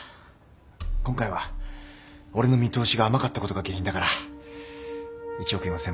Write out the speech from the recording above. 今回は俺の見通しが甘かったことが原因だから１億４，０００万は俺が出します。